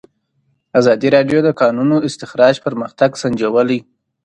ازادي راډیو د د کانونو استخراج پرمختګ سنجولی.